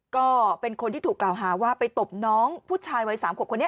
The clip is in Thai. ก็เป็นคนที่ถูกกล่าวหาว่าไปตบน้องผู้ชายวัย๓ขวบคนนี้